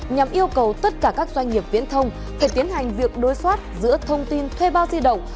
nhằm yêu cầu tất cả các doanh nghiệp viễn thông phải tiến hành việc đối soát giữa thông tin thuê bao di động